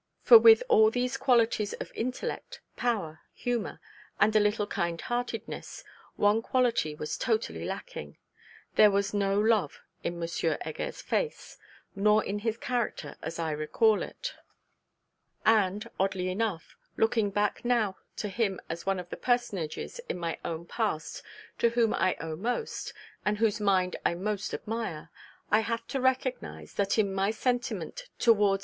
For with all these qualities of intellect, power, humour, and a little kind heartedness, one quality was totally lacking: there was no love in M. Heger's face, nor in his character, as I recall it; and, oddly enough, looking back now to him as one of the personages in my own past to whom I owe most, and whose mind I most admire, I have to recognise that in my sentiment towards M.